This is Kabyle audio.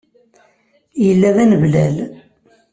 Yella d aneblal.